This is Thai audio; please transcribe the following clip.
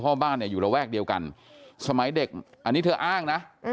บ้านเนี่ยอยู่ระแวกเดียวกันสมัยเด็กอันนี้เธออ้างนะ